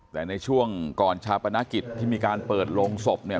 แต่ในช่วงก่อนชาปนกิจที่มีการเปิดโรงศพเนี่ย